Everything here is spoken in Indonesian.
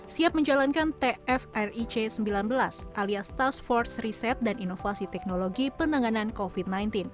siap menjalankan tfric sembilan belas alias task force reset dan inovasi teknologi penanganan covid sembilan belas